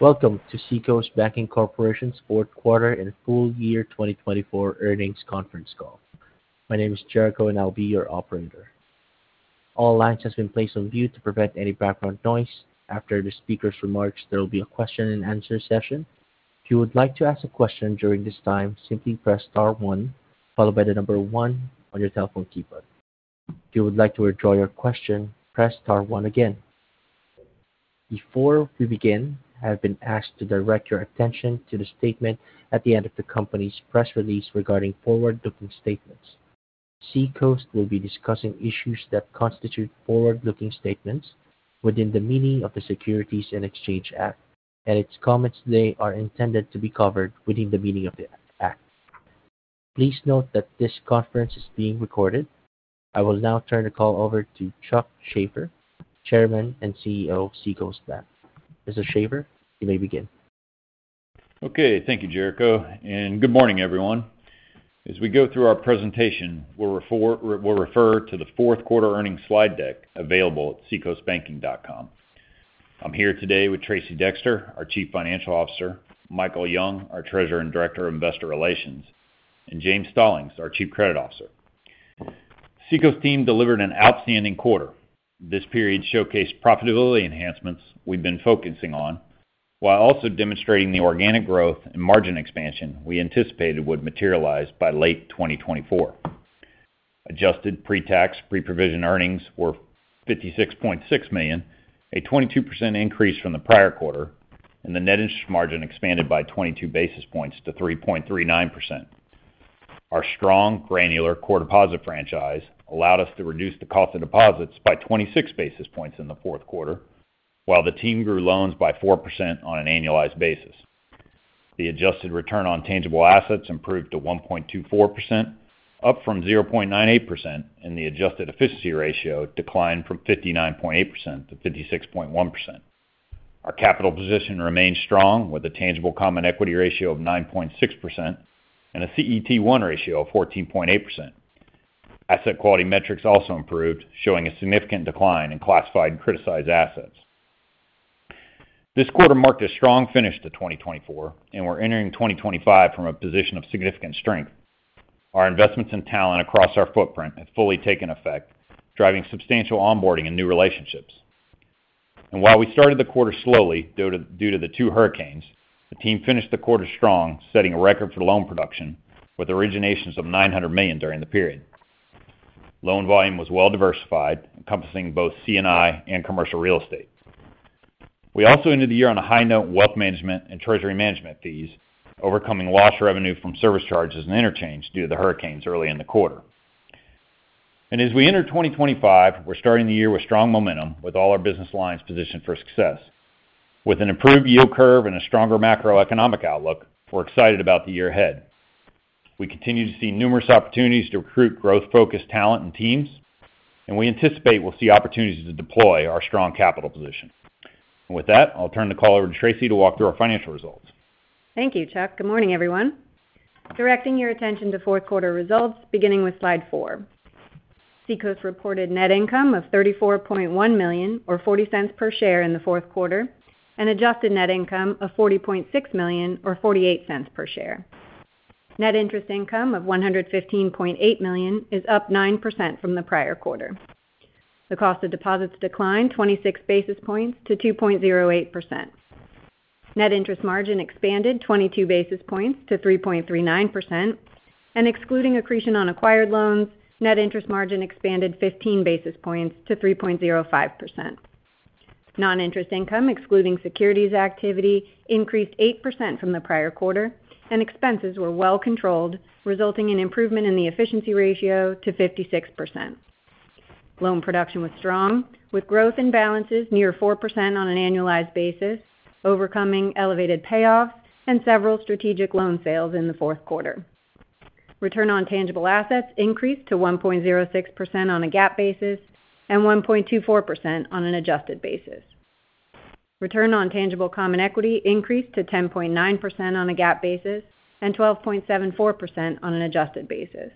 Welcome to Seacoast Banking Corporation's Fourth Quarter and Full Year 2024 Earnings Conference Call. My name is Jericho, and I'll be your operator. All lines have been placed on mute to prevent any background noise. After the speaker's remarks, there will be a question-and-answer session. If you would like to ask a question during this time, simply press star one, followed by the number one on your telephone keypad. If you would like to withdraw your question, press star one again. Before we begin, I have been asked to direct your attention to the statement at the end of the company's press release regarding forward-looking statements. Seacoast will be discussing issues that constitute forward-looking statements within the meaning of the Securities and Exchange Act, and its comments today are intended to be covered within the meaning of the Act. Please note that this conference is being recorded. I will now turn the call over to Chuck Shaffer, Chairman and CEO of Seacoast Bank. Mr. Shaffer, you may begin. Okay. Thank you, Jericho, and good morning, everyone. As we go through our presentation, we'll refer to the Fourth Quarter Earnings slide deck available at seacoastbanking.com. I'm here today with Tracey Dexter, our Chief Financial Officer, Michael Young, our Treasurer and Director of Investor Relations, and James Stallings, our Chief Credit Officer. Seacoast's team delivered an outstanding quarter. This period showcased profitability enhancements we've been focusing on, while also demonstrating the organic growth and margin expansion we anticipated would materialize by late 2024. Adjusted pre-tax, pre-provision earnings were $56.6 million, a 22% increase from the prior quarter, and the net interest margin expanded by 22 basis points to 3.39%. Our strong, granular core deposit franchise allowed us to reduce the cost of deposits by 26 basis points in the fourth quarter, while the team grew loans by 4% on an annualized basis. The adjusted return on tangible assets improved to 1.24%, up from 0.98%, and the adjusted efficiency ratio declined from 59.8% to 56.1%. Our capital position remained strong, with a tangible common equity ratio of 9.6% and a CET1 ratio of 14.8%. Asset quality metrics also improved, showing a significant decline in classified and criticized assets. This quarter marked a strong finish to 2024, and we're entering 2025 from a position of significant strength. Our investments and talent across our footprint have fully taken effect, driving substantial onboarding and new relationships. And while we started the quarter slowly due to the two hurricanes, the team finished the quarter strong, setting a record for loan production with originations of $900 million during the period. Loan volume was well diversified, encompassing both C&I and commercial real estate. We also ended the year on a high note in wealth management and treasury management fees, overcoming lost revenue from service charges and interchange due to the hurricanes early in the quarter, and as we enter 2025, we're starting the year with strong momentum, with all our business lines positioned for success. With an improved yield curve and a stronger macroeconomic outlook, we're excited about the year ahead. We continue to see numerous opportunities to recruit growth-focused talent and teams, and we anticipate we'll see opportunities to deploy our strong capital position, and with that, I'll turn the call over to Tracey to walk through our financial results. Thank you, Chuck. Good morning, everyone. Directing your attention to fourth quarter results, beginning with slide four. Seacoast reported net income of $34.1 million, or $0.40 per share, in the fourth quarter, and adjusted net income of $40.6 million, or $0.48 per share. Net interest income of $115.8 million is up 9% from the prior quarter. The cost of deposits declined 26 basis points to 2.08%. Net interest margin expanded 22 basis points to 3.39%, and excluding accretion on acquired loans, net interest margin expanded 15 basis points to 3.05%. Non-interest income, excluding securities activity, increased 8% from the prior quarter, and expenses were well controlled, resulting in improvement in the efficiency ratio to 56%. Loan production was strong, with growth in balances near 4% on an annualized basis, overcoming elevated payoffs and several strategic loan sales in the fourth quarter. Return on tangible assets increased to 1.06% on a GAAP basis and 1.24% on an adjusted basis. Return on tangible common equity increased to 10.9% on a GAAP basis and 12.74% on an adjusted basis.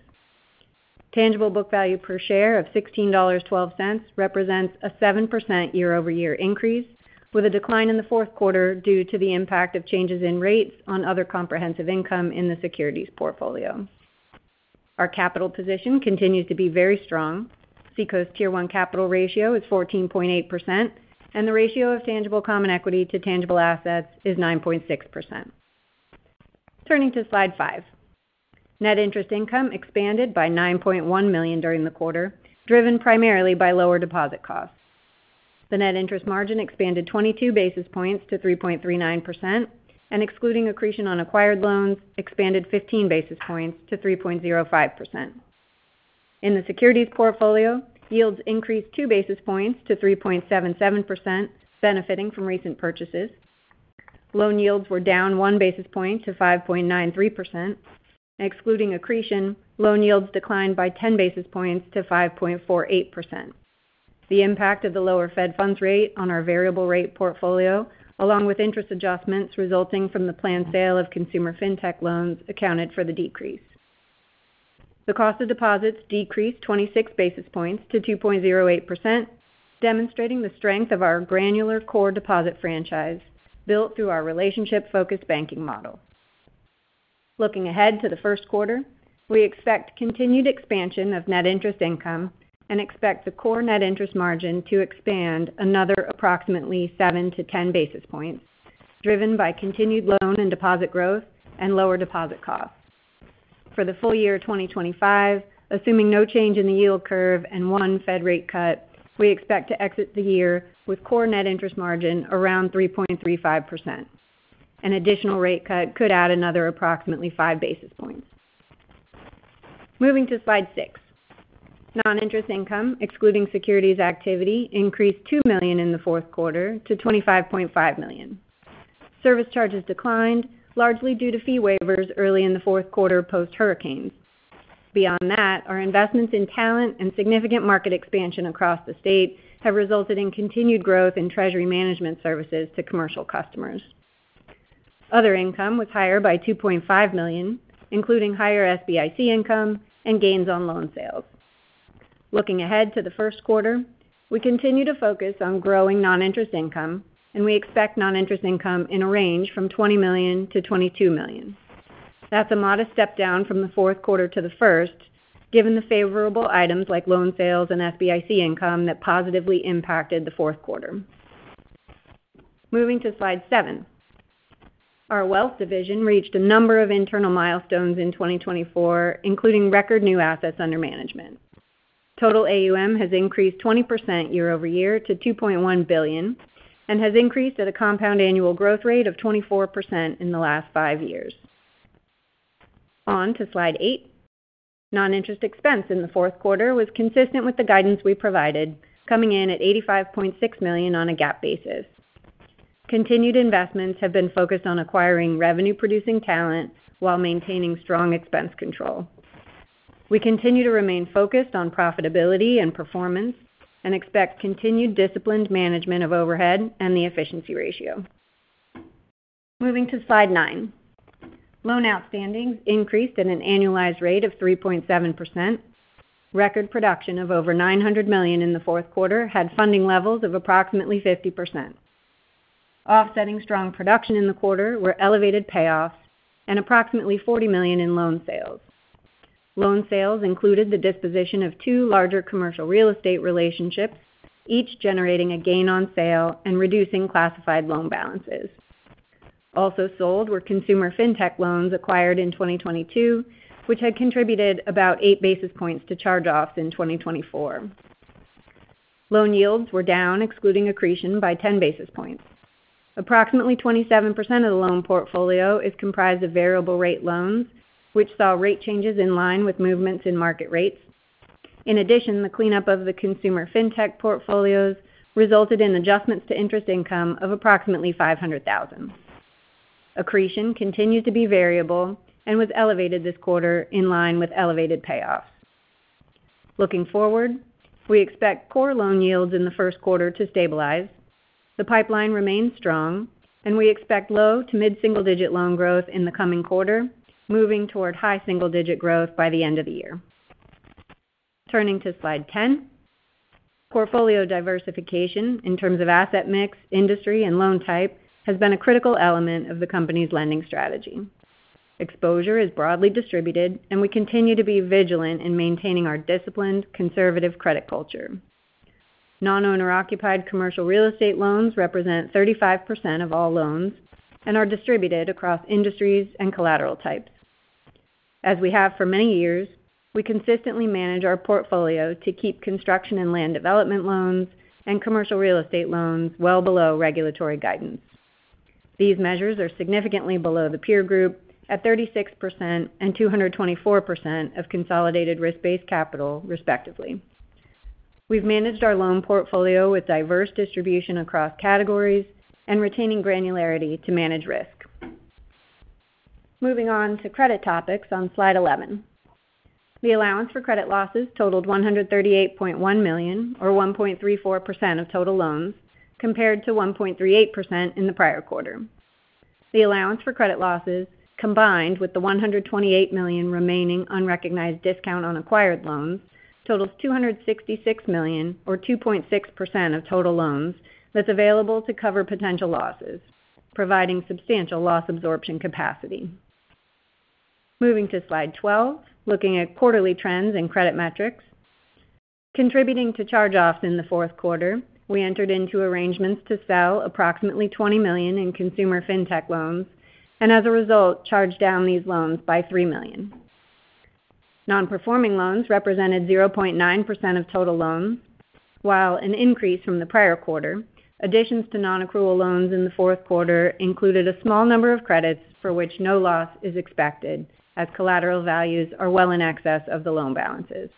Tangible book value per share of $16.12 represents a 7% year-over-year increase, with a decline in the fourth quarter due to the impact of changes in rates on other comprehensive income in the securities portfolio. Our capital position continues to be very strong. Seacoast's Tier 1 capital ratio is 14.8%, and the ratio of tangible common equity to tangible assets is 9.6%. Turning to slide five, net interest income expanded by $9.1 million during the quarter, driven primarily by lower deposit costs. The net interest margin expanded 22 basis points to 3.39%, and excluding accretion on acquired loans, expanded 15 basis points to 3.05%. In the securities portfolio, yields increased two basis points to 3.77%, benefiting from recent purchases. Loan yields were down one basis point to 5.93%. Excluding accretion, loan yields declined by 10 basis points to 5.48%. The impact of the lower Fed funds rate on our variable rate portfolio, along with interest adjustments resulting from the planned sale of consumer fintech loans, accounted for the decrease. The cost of deposits decreased 26 basis points to 2.08%, demonstrating the strength of our granular core deposit franchise built through our relationship-focused banking model. Looking ahead to the first quarter, we expect continued expansion of net interest income and expect the core net interest margin to expand another approximately seven to 10 basis points, driven by continued loan and deposit growth and lower deposit costs. For the full year 2025, assuming no change in the yield curve and one Fed rate cut, we expect to exit the year with core net interest margin around 3.35%. An additional rate cut could add another approximately 5 basis points. Moving to slide six, non-interest income, excluding securities activity, increased $2 million in the fourth quarter to $25.5 million. Service charges declined, largely due to fee waivers early in the fourth quarter post-hurricanes. Beyond that, our investments in talent and significant market expansion across the state have resulted in continued growth in treasury management services to commercial customers. Other income was higher by $2.5 million, including higher SBIC income and gains on loan sales. Looking ahead to the first quarter, we continue to focus on growing non-interest income, and we expect non-interest income in a range from $20-$22 million. That's a modest step down from the fourth quarter to the first, given the favorable items like loan sales and SBIC income that positively impacted the fourth quarter. Moving to slide seven, our wealth division reached a number of internal milestones in 2024, including record new assets under management. Total AUM has increased 20% year-over-year to $2.1 billion and has increased at a compound annual growth rate of 24% in the last five years. On to slide eight, non-interest expense in the fourth quarter was consistent with the guidance we provided, coming in at $85.6 million on a GAAP basis. Continued investments have been focused on acquiring revenue-producing talent while maintaining strong expense control. We continue to remain focused on profitability and performance and expect continued disciplined management of overhead and the efficiency ratio. Moving to slide nine, loan outstandings increased at an annualized rate of 3.7%. Record production of over $900 million in the fourth quarter had funding levels of approximately 50%. Offsetting strong production in the quarter were elevated payoffs and approximately $40 million in loan sales. Loan sales included the disposition of two larger commercial real estate relationships, each generating a gain on sale and reducing classified loan balances. Also sold were consumer fintech loans acquired in 2022, which had contributed about 8 basis points to charge-offs in 2024. Loan yields were down, excluding accretion, by 10 basis points. Approximately 27% of the loan portfolio is comprised of variable rate loans, which saw rate changes in line with movements in market rates. In addition, the cleanup of the consumer fintech portfolios resulted in adjustments to interest income of approximately $500,000. Accretion continued to be variable and was elevated this quarter in line with elevated payoffs. Looking forward, we expect core loan yields in the first quarter to stabilize. The pipeline remains strong, and we expect low to mid-single-digit loan growth in the coming quarter, moving toward high single-digit growth by the end of the year. Turning to slide 10, portfolio diversification in terms of asset mix, industry, and loan type has been a critical element of the company's lending strategy. Exposure is broadly distributed, and we continue to be vigilant in maintaining our disciplined, conservative credit culture. Non-owner-occupied commercial real estate loans represent 35% of all loans and are distributed across industries and collateral types. As we have for many years, we consistently manage our portfolio to keep construction and land development loans and commercial real estate loans well below regulatory guidance. These measures are significantly below the peer group at 36% and 224% of consolidated risk-based capital, respectively. We've managed our loan portfolio with diverse distribution across categories and retaining granularity to manage risk. Moving on to credit topics on slide 11, the allowance for credit losses totaled $138.1 million, or 1.34% of total loans, compared to 1.38% in the prior quarter. The allowance for credit losses, combined with the $128 million remaining unrecognized discount on acquired loans, totals $266 million, or 2.6% of total loans that's available to cover potential losses, providing substantial loss absorption capacity. Moving to slide 12, looking at quarterly trends and credit metrics. Contributing to charge-offs in the fourth quarter, we entered into arrangements to sell approximately $20 million in consumer fintech loans and, as a result, charged down these loans by $3 million. Non-performing loans represented 0.9% of total loans, while an increase from the prior quarter. Additions to non-accrual loans in the fourth quarter included a small number of credits for which no loss is expected, as collateral values are well in excess of the loan balances.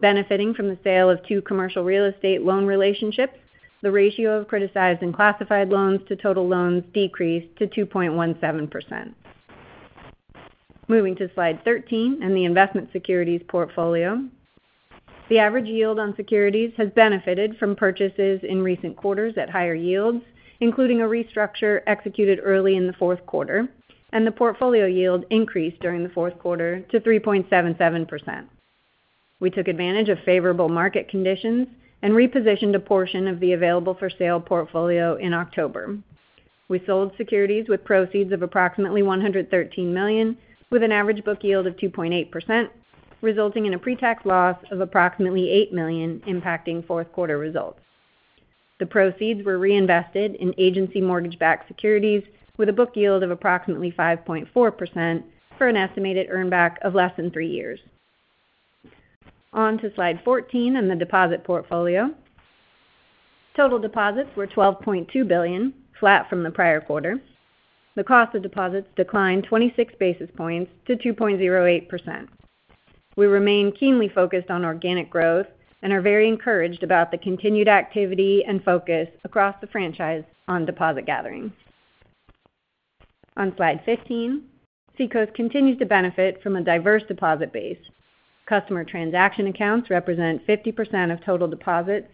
Benefiting from the sale of two commercial real estate loan relationships, the ratio of criticized and classified loans to total loans decreased to 2.17%. Moving to slide 13 and the investment securities portfolio, the average yield on securities has benefited from purchases in recent quarters at higher yields, including a restructure executed early in the fourth quarter, and the portfolio yield increased during the fourth quarter to 3.77%. We took advantage of favorable market conditions and repositioned a portion of the available-for-sale portfolio in October. We sold securities with proceeds of approximately $113 million, with an average book yield of 2.8%, resulting in a pre-tax loss of approximately $8 million, impacting fourth quarter results. The proceeds were reinvested in agency mortgage-backed securities, with a book yield of approximately 5.4% for an estimated earnback of less than three years. On to slide 14 and the deposit portfolio. Total deposits were $12.2 billion, flat from the prior quarter. The cost of deposits declined 26 basis points to 2.08%. We remain keenly focused on organic growth and are very encouraged about the continued activity and focus across the franchise on deposit gathering. On slide 15, Seacoast continues to benefit from a diverse deposit base. Customer transaction accounts represent 50% of total deposits,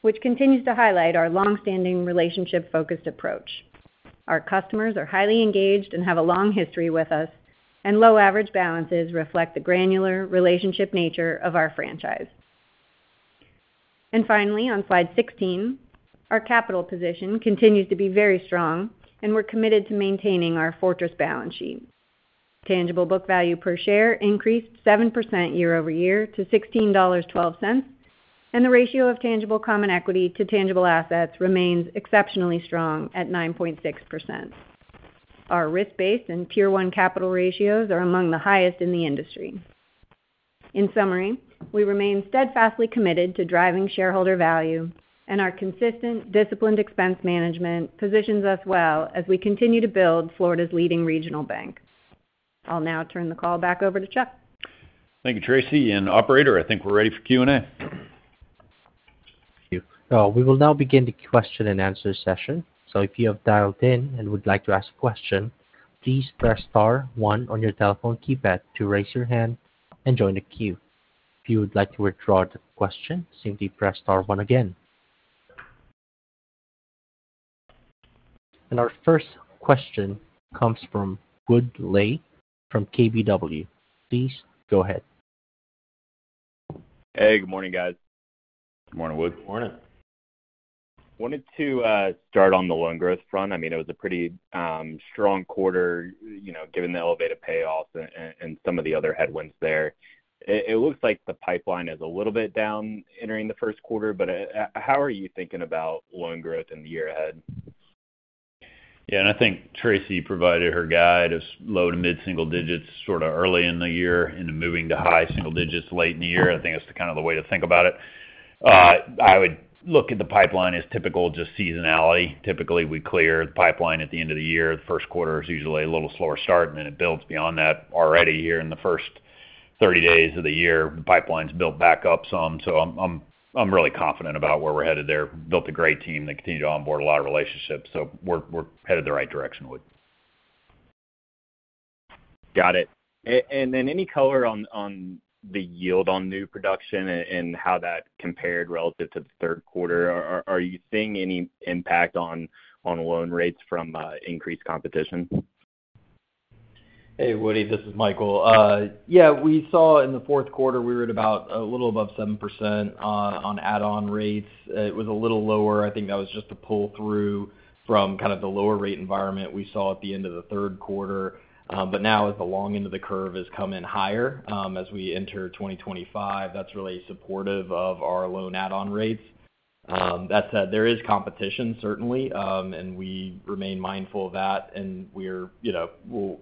which continues to highlight our long-standing relationship-focused approach. Our customers are highly engaged and have a long history with us, and low average balances reflect the granular relationship nature of our franchise, and finally, on slide 16, our capital position continues to be very strong, and we're committed to maintaining our fortress balance sheet. Tangible book value per share increased 7% year-over-year to $16.12, and the ratio of tangible common equity to tangible assets remains exceptionally strong at 9.6%. Our risk-based and Tier 1 capital ratios are among the highest in the industry. In summary, we remain steadfastly committed to driving shareholder value, and our consistent, disciplined expense management positions us well as we continue to build Florida's leading regional bank. I'll now turn the call back over to Chuck. Thank you, Tracey. And, Operator, I think we're ready for Q&A. Thank you. We will now begin the question and answer session. So if you have dialed in and would like to ask a question, please press star one on your telephone keypad to raise your hand and join the queue. If you would like to withdraw the question, simply press star one again. And our first question comes from Wood Lay from KBW. Please go ahead. Hey, good morning, guys. Good morning, Wood. Good morning. Wanted to start on the loan growth front. I mean, it was a pretty strong quarter, given the elevated payoffs and some of the other headwinds there. It looks like the pipeline is a little bit down entering the first quarter, but how are you thinking about loan growth in the year ahead? Yeah, and I think Tracey provided her guide of low to mid-single digits sort of early in the year and moving to high single digits late in the year. I think that's kind of the way to think about it. I would look at the pipeline as typical, just seasonality. Typically, we clear the pipeline at the end of the year. The first quarter is usually a little slower start, and then it builds beyond that already here in the first 30 days of the year. The pipeline's built back up some, so I'm really confident about where we're headed there. We've built a great team that continued to onboard a lot of relationships, so we're headed the right direction, Woody. Got it, and then any color on the yield on new production and how that compared relative to the third quarter? Are you seeing any impact on loan rates from increased competition? Hey, Woody, this is Michael. Yeah, we saw in the fourth quarter we were at about a little above 7% on add-on rates. It was a little lower. I think that was just a pull-through from kind of the lower rate environment we saw at the end of the third quarter. But now, as the long end of the curve is coming higher as we enter 2025, that's really supportive of our loan add-on rates. That said, there is competition, certainly, and we remain mindful of that. And we'll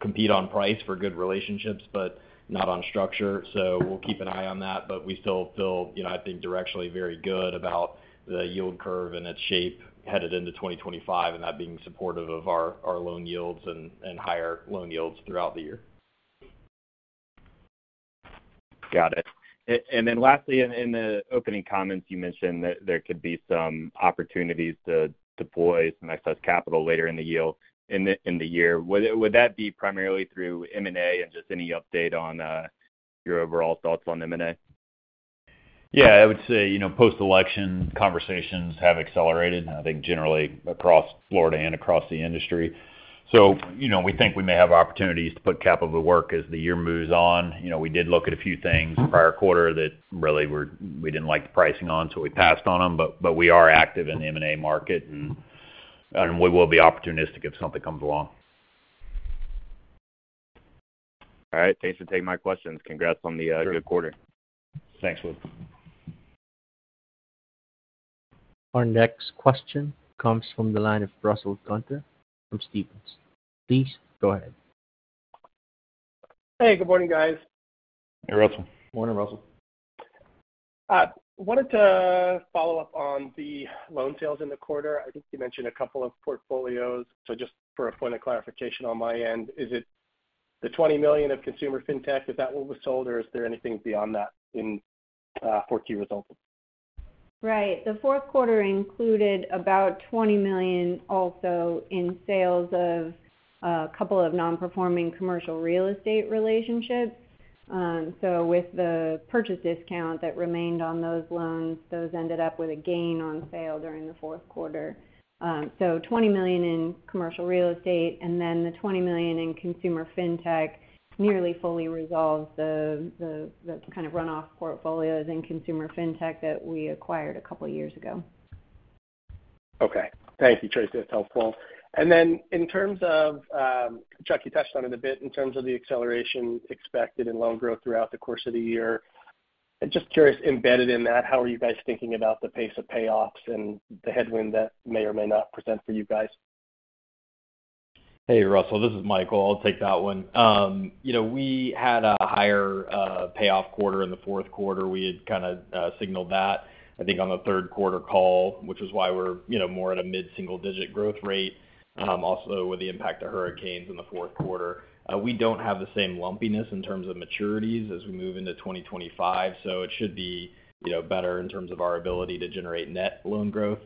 compete on price for good relationships, but not on structure. So we'll keep an eye on that, but we still feel, I think, directionally very good about the yield curve and its shape headed into 2025 and that being supportive of our loan yields and higher loan yields throughout the year. Got it. And then lastly, in the opening comments, you mentioned that there could be some opportunities to deploy some excess capital later in the year. Would that be primarily through M&A and just any update on your overall thoughts on M&A? Yeah, I would say post-election conversations have accelerated, I think, generally across Florida and across the industry. So we think we may have opportunities to put capital to work as the year moves on. We did look at a few things prior quarter that really we didn't like the pricing on, so we passed on them. But we are active in the M&A market, and we will be opportunistic if something comes along. All right. Thanks for taking my questions. Congrats on the good quarter. Thanks, Wood. Our next question comes from the line of Russell Gunther from Stephens. Please go ahead. Hey, good morning, guys. Hey, Russell. Morning, Russell. I wanted to follow up on the loan sales in the quarter. I think you mentioned a couple of portfolios. So just for a point of clarification on my end, is it the $20 million of consumer fintech? Is that what was sold, or is there anything beyond that in Q3 results? Right. The fourth quarter included about $20 million also in sales of a couple of non-performing commercial real estate relationships. So with the purchase discount that remained on those loans, those ended up with a gain on sale during the fourth quarter. So $20 million in commercial real estate, and then the $20 million in consumer fintech nearly fully resolves the kind of runoff portfolios in consumer fintech that we acquired a couple of years ago. Okay. Thank you, Tracey. That's helpful. And then in terms of Chuck, you touched on it a bit, in terms of the acceleration expected in loan growth throughout the course of the year, just curious, embedded in that, how are you guys thinking about the pace of payoffs and the headwind that may or may not present for you guys? Hey, Russell, this is Michael. I'll take that one. We had a higher payoff quarter in the fourth quarter. We had kind of signaled that, I think, on the third quarter call, which is why we're more at a mid-single-digit growth rate, also with the impact of hurricanes in the fourth quarter. We don't have the same lumpiness in terms of maturities as we move into 2025, so it should be better in terms of our ability to generate net loan growth.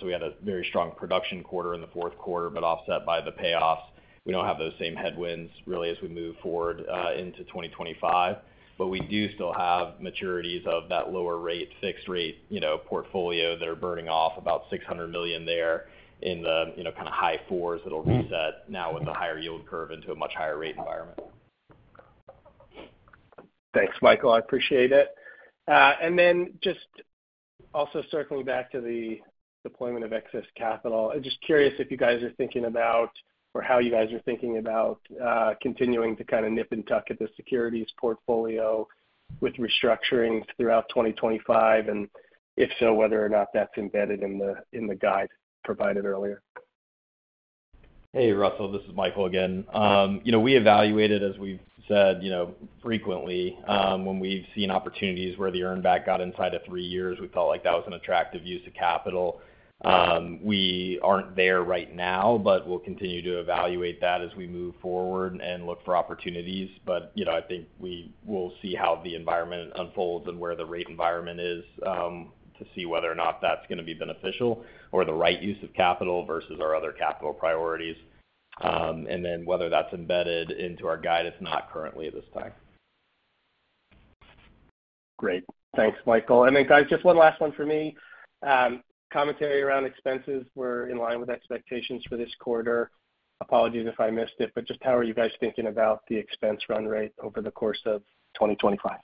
So we had a very strong production quarter in the fourth quarter, but offset by the payoffs. We don't have those same headwinds, really, as we move forward into 2025. But we do still have maturities of that lower rate, fixed-rate portfolio that are burning off about $600 million there in the kind of high fours that will reset now with a higher yield curve into a much higher rate environment. Thanks, Michael. I appreciate it. Then just also circling back to the deployment of excess capital, I'm just curious if you guys are thinking about or how you guys are thinking about continuing to kind of nip and tuck at the securities portfolio with restructuring throughout 2025, and if so, whether or not that's embedded in the guide provided earlier. Hey, Russell, this is Michael again. We evaluated, as we've said, frequently when we've seen opportunities where the earnback got inside of three years, we felt like that was an attractive use of capital. We aren't there right now, but we'll continue to evaluate that as we move forward and look for opportunities. I think we will see how the environment unfolds and where the rate environment is to see whether or not that's going to be beneficial or the right use of capital versus our other capital priorities, and then whether that's embedded into our guidance, not currently at this time. Great. Thanks, Michael. And then, guys, just one last one for me. Commentary around expenses were in line with expectations for this quarter. Apologies if I missed it, but just how are you guys thinking about the expense run rate over the course of 2025?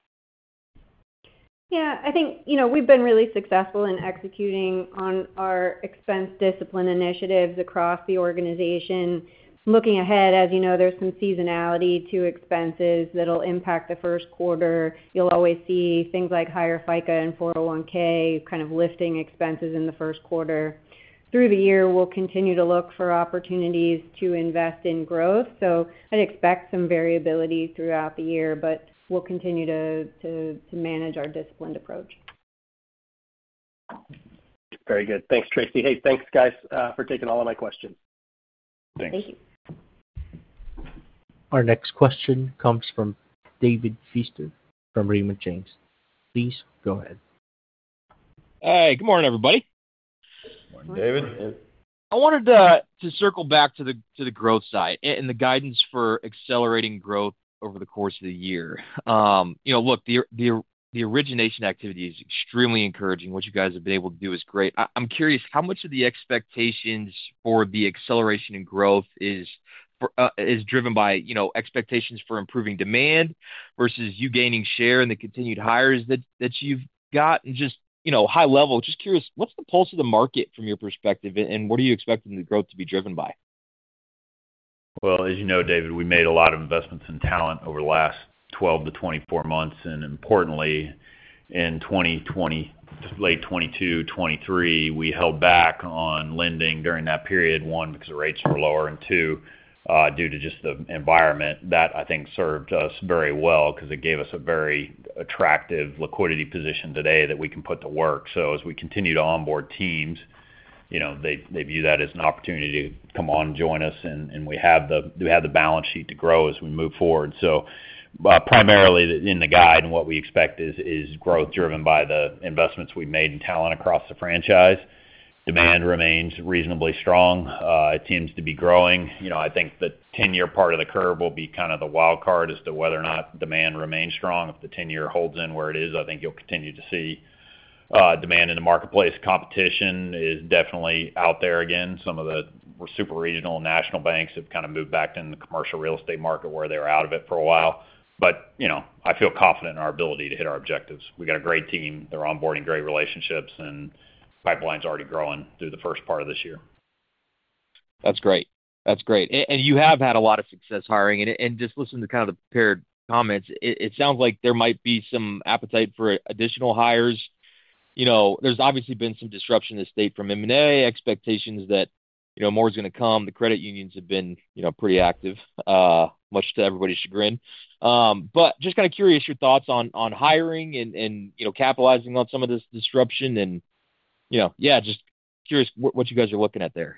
Yeah, I think we've been really successful in executing on our expense discipline initiatives across the organization. Looking ahead, as you know, there's some seasonality to expenses that'll impact the first quarter. You'll always see things like higher FICA and 401(k) kind of lifting expenses in the first quarter. Through the year, we'll continue to look for opportunities to invest in growth. So I'd expect some variability throughout the year, but we'll continue to manage our disciplined approach. Very good. Thanks, Tracey. Hey, thanks, guys, for taking all of my questions. Thanks. Thank you. Our next question comes from David Feaster from Raymond James. Please go ahead. Hey, good morning, everybody. Good morning, David. I wanted to circle back to the growth side and the guidance for accelerating growth over the course of the year. Look, the origination activity is extremely encouraging. What you guys have been able to do is great. I'm curious, how much of the expectations for the acceleration in growth is driven by expectations for improving demand versus you gaining share in the continued hires that you've got? And just high level, just curious, what's the pulse of the market from your perspective, and what are you expecting the growth to be driven by? Well, as you know, David, we made a lot of investments in talent over the last 12-24 months. And importantly, in late 2022, 2023, we held back on lending during that period, one, because the rates were lower, and two, due to just the environment. That, I think, served us very well because it gave us a very attractive liquidity position today that we can put to work. So as we continue to onboard teams, they view that as an opportunity to come on and join us, and we have the balance sheet to grow as we move forward. So primarily in the guide, what we expect is growth driven by the investments we've made in talent across the franchise. Demand remains reasonably strong. It seems to be growing. I think the 10-year part of the curve will be kind of the wild card as to whether or not demand remains strong. If the 10-year holds in where it is, I think you'll continue to see demand in the marketplace. Competition is definitely out there again. Some of the super regional and national banks have kind of moved back into the commercial real estate market where they were out of it for a while. But I feel confident in our ability to hit our objectives. We got a great team. They're onboarding great relationships, and pipeline's already growing through the first part of this year. That's great. That's great. And you have had a lot of success hiring. And just listening to kind of the paired comments, it sounds like there might be some appetite for additional hires. There's obviously been some disruption in the state from M&A expectations that more is going to come. The credit unions have been pretty active, much to everybody's chagrin. But just kind of curious, your thoughts on hiring and capitalizing on some of this disruption? And yeah, just curious what you guys are looking at there.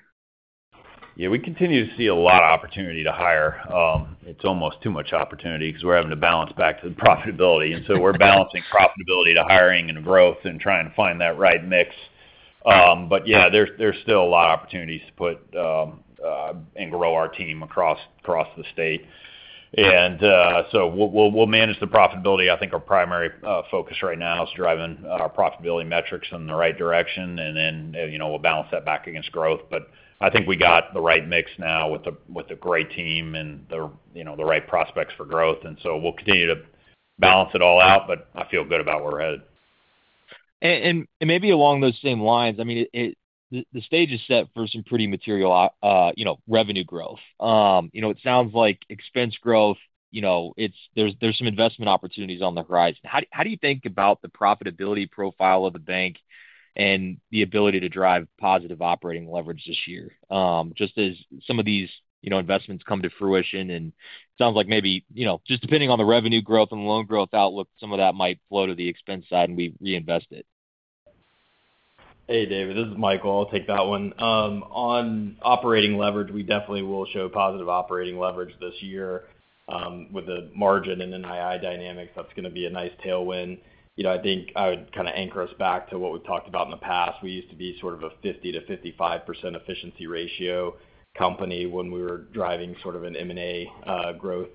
Yeah, we continue to see a lot of opportunity to hire. It's almost too much opportunity because we're having to balance back to the profitability. And so we're balancing profitability to hiring and growth and trying to find that right mix. But yeah, there's still a lot of opportunities to put and grow our team across the state. And so we'll manage the profitability. I think our primary focus right now is driving our profitability metrics in the right direction, and then we'll balance that back against growth. But I think we got the right mix now with a great team and the right prospects for growth. And so we'll continue to balance it all out, but I feel good about where we're headed. And maybe along those same lines, I mean, the stage is set for some pretty material revenue growth. It sounds like expense growth, there's some investment opportunities on the horizon. How do you think about the profitability profile of the bank and the ability to drive positive operating leverage this year? Just as some of these investments come to fruition, and it sounds like maybe just depending on the revenue growth and the loan growth outlook, some of that might flow to the expense side and we reinvest it. Hey, David, this is Michael. I'll take that one. On operating leverage, we definitely will show positive operating leverage this year with a margin and NII dynamics. That's going to be a nice tailwind. I think I would kind of anchor us back to what we've talked about in the past. We used to be sort of a 50%-55% efficiency ratio company when we were driving sort of an M&A growth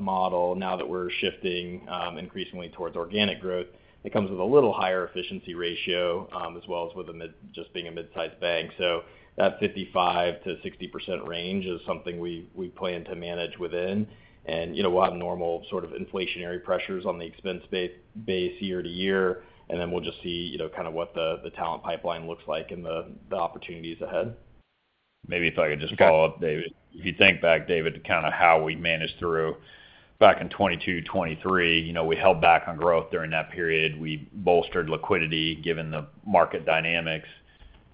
model. Now that we're shifting increasingly towards organic growth, it comes with a little higher efficiency ratio as well as with just being a mid-sized bank. So that 55%-60% range is something we plan to manage within. And we'll have normal sort of inflationary pressures on the expense base year to year, and then we'll just see kind of what the talent pipeline looks like and the opportunities ahead. Maybe if I could just follow up, David. If you think back, David, to kind of how we managed through back in 2022, 2023, we held back on growth during that period. We bolstered liquidity given the market dynamics.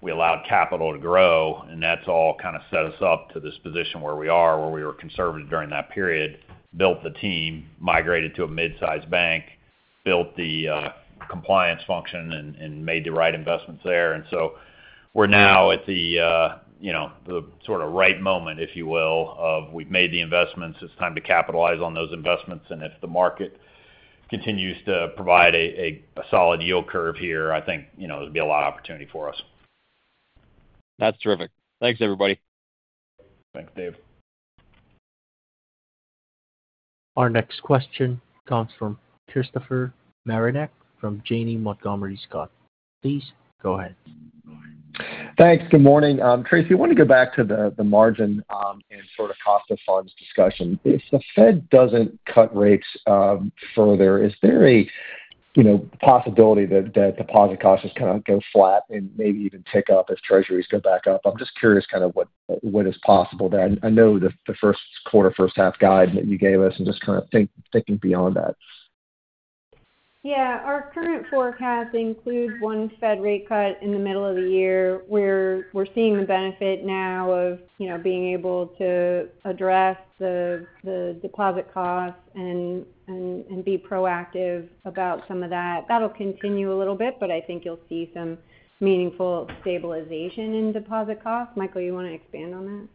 We allowed capital to grow, and that's all kind of set us up to this position where we are, where we were conservative during that period, built the team, migrated to a mid-sized bank, built the compliance function, and made the right investments there. And so we're now at the sort of right moment, if you will, of we've made the investments. It's time to capitalize on those investments. And if the market continues to provide a solid yield curve here, I think there'll be a lot of opportunity for us. That's terrific. Thanks, everybody. Thanks, Dave. Our next question comes from Christopher Marinac from Janney Montgomery Scott. Please go ahead. Thanks. Good morning. Tracey, I want to go back to the margin and sort of cost of funds discussion. If the Fed doesn't cut rates further, is there a possibility that deposit costs just kind of go flat and maybe even tick up if treasuries go back up? I'm just curious kind of what is possible there. I know the first quarter, first half guide that you gave us and just kind of thinking beyond that. Yeah. Our current forecast includes one Fed rate cut in the middle of the year. We're seeing the benefit now of being able to address the deposit costs and be proactive about some of that. That'll continue a little bit, but I think you'll see some meaningful stabilization in deposit costs. Michael, you want to expand on that?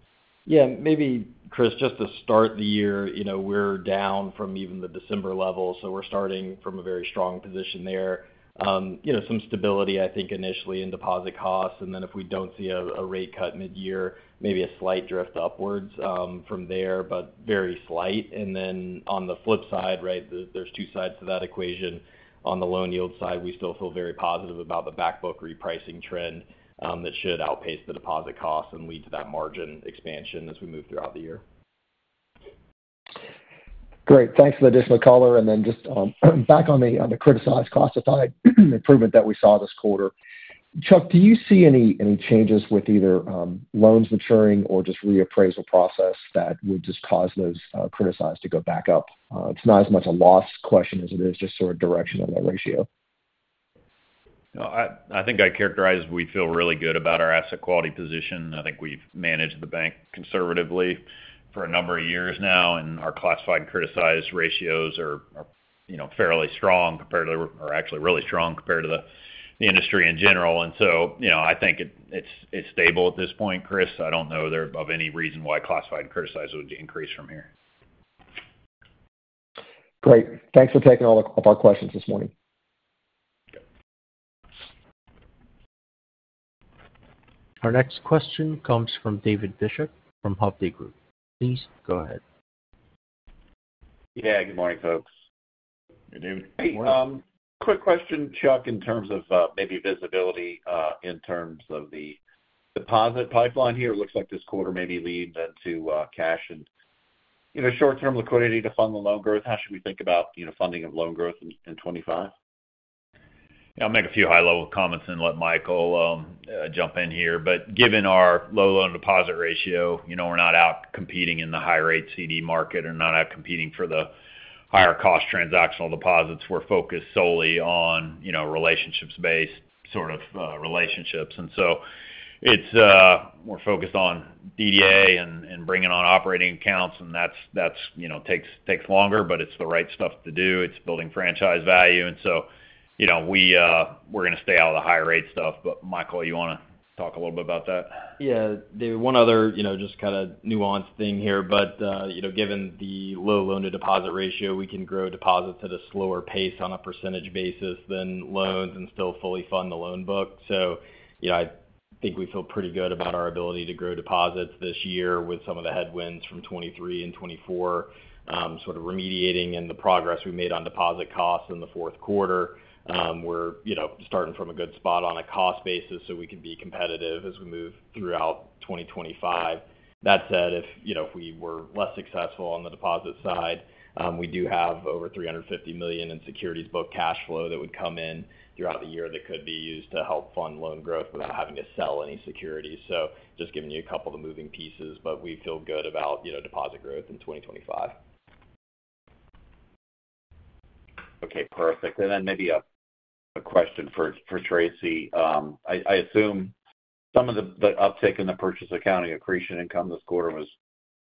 Yeah. Maybe, Chris, just to start the year, we're down from even the December level, so we're starting from a very strong position there. Some stability, I think, initially in deposit costs, and then if we don't see a rate cut mid-year, maybe a slight drift upwards from there, but very slight. And then on the flip side, right, there's two sides to that equation. On the loan yield side, we still feel very positive about the backbook repricing trend that should outpace the deposit costs and lead to that margin expansion as we move throughout the year. Great. Thanks for the additional color. And then just back on the criticized assets improvement that we saw this quarter. Chuck, do you see any changes with either loans maturing or just reappraisal process that would just cause those criticized to go back up? It's not as much a loss question as it is just sort of direction of that ratio. I think I characterize we feel really good about our asset quality position. I think we've managed the bank conservatively for a number of years now, and our classified and criticized ratios are fairly strong compared to or actually really strong compared to the industry in general. And so I think it's stable at this point, Chris. I don't know of any reason why classified and criticized would increase from here. Great. Thanks for taking all of our questions this morning. Our next question comes from David Bishop from Hovde Group. Please go ahead. Yeah. Good morning, folks. Hey, David. Hey. Quick question, Chuck, in terms of maybe visibility in terms of the deposit pipeline here. It looks like this quarter maybe leads into cash and short-term liquidity to fund the loan growth. How should we think about funding of loan growth in 2025? I'll make a few high-level comments and let Michael jump in here. But given our low loan-to-deposit ratio, we're not out competing in the high-rate CD market and not out competing for the higher-cost transactional deposits. We're focused solely on relationships-based sort of relationships. And so we're focused on DDA and bringing on operating accounts, and that takes longer, but it's the right stuff to do. It's building franchise value. And so we're going to stay out of the high-rate stuff. But Michael, you want to talk a little bit about that? Yeah. One other just kind of nuanced thing here. But given the low loan-to-deposit ratio, we can grow deposits at a slower pace on a percentage basis than loans and still fully fund the loan book. So I think we feel pretty good about our ability to grow deposits this year with some of the headwinds from 2023 and 2024, sort of remediating and the progress we made on deposit costs in the fourth quarter. We're starting from a good spot on a cost basis so we can be competitive as we move throughout 2025. That said, if we were less successful on the deposit side, we do have over $350 million in securities book cash flow that would come in throughout the year that could be used to help fund loan growth without having to sell any securities. So just giving you a couple of the moving pieces, but we feel good about deposit growth in 2025. Okay. Perfect. And then maybe a question for Tracey. I assume some of the uptick in the purchase accounting accretion income this quarter was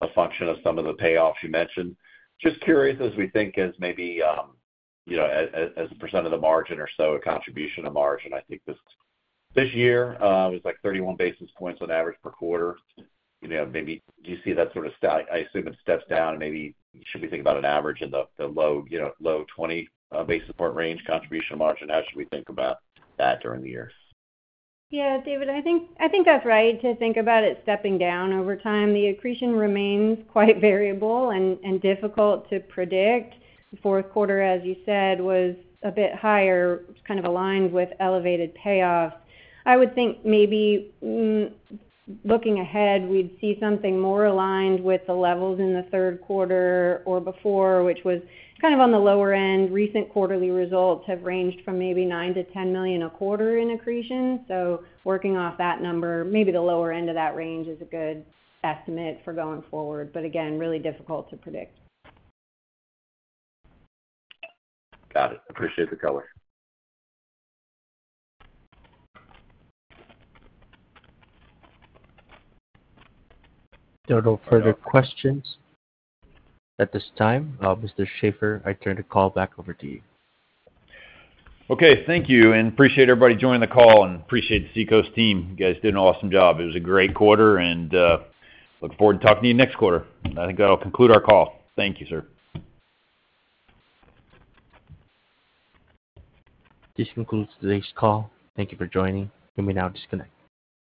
a function of some of the payoffs you mentioned. Just curious as we think as maybe as a percent of the margin or so, a contribution to margin. I think this year was like 31 basis points on average per quarter. Maybe do you see that sort of stat? I assume it steps down. Maybe should we think about an average in the low 20 basis point range, contribution to margin? How should we think about that during the year? Yeah. David, I think that's right to think about it stepping down over time. The accretion remains quite variable and difficult to predict. The fourth quarter, as you said, was a bit higher, kind of aligned with elevated payoffs. I would think maybe looking ahead, we'd see something more aligned with the levels in the third quarter or before, which was kind of on the lower end. Recent quarterly results have ranged from maybe $9 million-$10 million a quarter in accretion. So working off that number, maybe the lower end of that range is a good estimate for going forward. But again, really difficult to predict. Got it. Appreciate the color. There are no further questions at this time. Mr. Shaffer, I turn the call back over to you. Okay. Thank you. And appreciate everybody joining the call and appreciate the Seacoast team. You guys did an awesome job. It was a great quarter, and look forward to talking to you next quarter. I think that'll conclude our call. Thank you, sir. This concludes today's call. Thank you for joining. You may now disconnect.